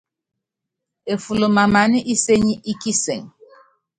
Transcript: Eful mamana isény í kisɛŋ.